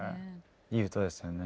いい歌ですよね。